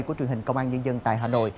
của truyền hình công an nhân dân tại hà nội